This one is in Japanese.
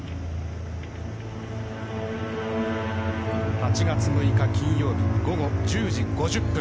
８月６日、金曜日午後１０時５０分。